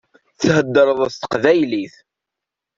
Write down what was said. Theddṛeḍ s teqbaylit.